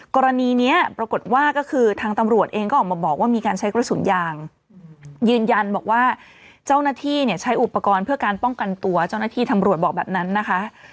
กรณีนี้ปรากฏว่าก็คือทางตำรวจเองก็ออกมาบอกว่ามีการใช้กระสุนยางยืนยันบอกว่าเจ้าหน้าที่เนี่ยใช้อุปกรณ์เพื่อการป้องกันตัวเจ้าหน้าที่ตำรวจบอกแบบนั้นนะคะ